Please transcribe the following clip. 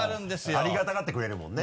ありがたがってくれるもんね。